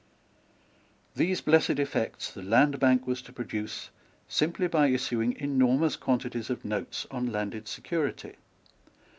These blessed effects the Land Bank was to produce simply by issuing enormous quantities of notes on landed security.